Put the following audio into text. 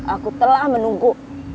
aku telah menunggu